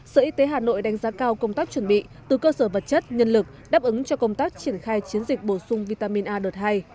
sở y tế hà nội đánh giá cao công tác chuẩn bị từ cơ sở vật chất nhân lực đáp ứng cho công tác triển khai chiến dịch bổ sung vitamin a đợt hai